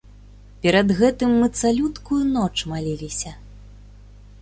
Перад гэтым мы цалюткую ноч маліліся.